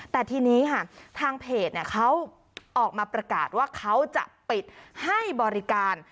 แต่ทีนี้ค่ะทางเพจเขาออกมาประกาศว่าเขาจะปิดให้บริการ